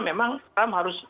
memang trump harus dicatat